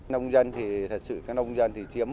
nông dân thì thật sự các nông dân thì chiếm